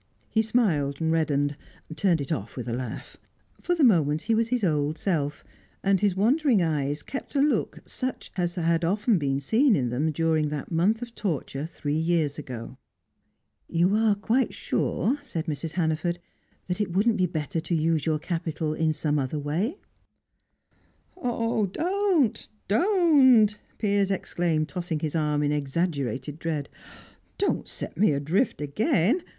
He smiled, reddened, turned it off with a laugh. For the moment he was his old self, and his wandering eyes kept a look such has had often been seen in them during that month of torture three years ago. "You are quite sure," said Mrs. Hannaford, "that it wouldn't be better to use your capital in some other way?" "Don't, don't!" Piers exclaimed, tossing his arm in exaggerated dread. "Don't set me adrift again.